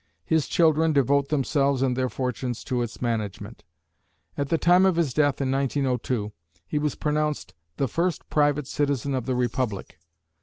His children devote themselves and their fortunes to its management. At the time of his death in 1902, he was pronounced "the first private citizen of the Republic."